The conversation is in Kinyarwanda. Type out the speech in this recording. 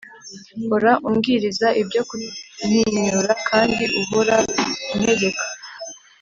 Hora umbwiriza ibyo kuntinyur kandi uhora untegeka